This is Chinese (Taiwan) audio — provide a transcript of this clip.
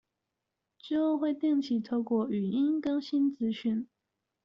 之後會定期透過語音更新資訊